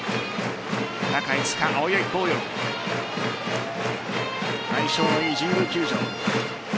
中５日の青柳晃洋相性の良い神宮球場。